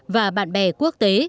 và bạn bè quốc tế